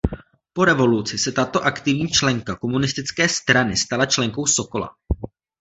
Po revoluci se tato aktivní členka komunistické strany stala členkou Sokola.